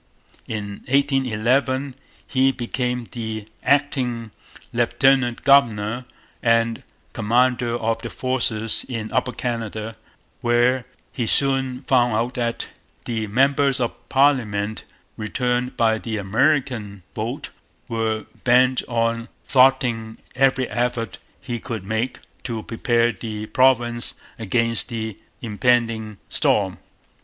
In 1811 he became the acting lieutenant governor and commander of the forces in Upper Canada, where he soon found out that the members of parliament returned by the 'American vote' were bent on thwarting every effort he could make to prepare the province against the impending storm.